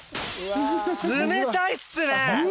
冷たいっすね。